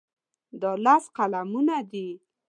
دا لس قلمونه دي.